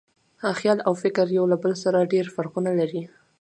خیال او فکر یو له بل سره ډېر فرقونه لري.